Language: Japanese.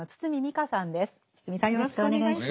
堤さんよろしくお願いします。